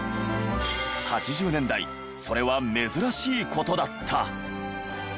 ８０年代それは珍しい事だった。